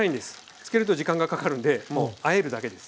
漬けると時間がかかるんでもうあえるだけです。